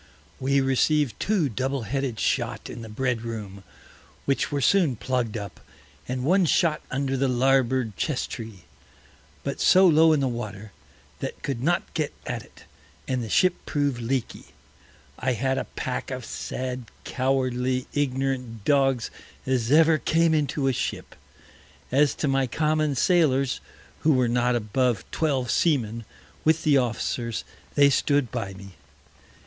We received two Double headed Shot in the Bread room, which were soon plugg'd up, and one Shot under the Larboard Chesstree, but so low in the Water, that could not get at it, and the Ship prov'd leaky. I had a Pack of sad cowardly, ignorant Dogs as ever came into a Ship. As to my common Sailors, who were not above Twelve Seamen, with the Officers, they stood by me.